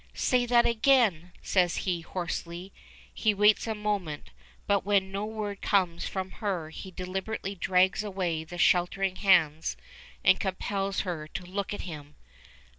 "Say that again!" says he, hoarsely. He waits a moment, but when no word comes from her he deliberately drags away the sheltering hands and compels her to look at him.